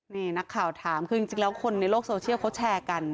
นี่นักข่าวถามคือจริงแล้วคนในโลกโซเชียลเขาแชร์กัน